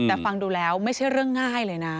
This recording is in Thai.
แต่ฟังดูแล้วไม่ใช่เรื่องง่ายเลยนะ